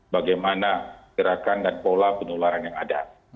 bagaimana gerakan dan pola penularan yang ada